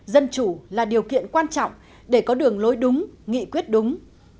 dân chủ là điều kiện quan trọng để có đường lối đúng nghị quyết đúng